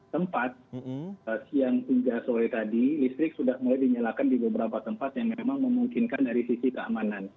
tempat siang hingga sore tadi listrik sudah mulai dinyalakan di beberapa tempat yang memang memungkinkan dari sisi keamanan